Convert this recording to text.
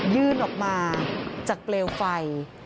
ยื่นออกมาจากเปลวไฟ